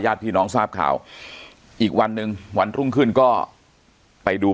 พี่น้องทราบข่าวอีกวันหนึ่งวันรุ่งขึ้นก็ไปดู